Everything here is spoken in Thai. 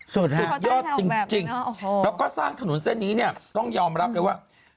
สุดยอดจริงแล้วก็สร้างถนนเส้นนี้เนี่ยต้องยอมรับเลยว่า